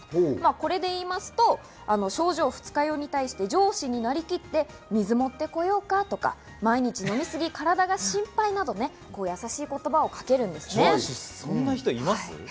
これでいうと、症状、二日酔いに対して上司になりきって、水持ってこようか？とか、毎日飲みすぎで体が心配などやさしい言葉をかけます。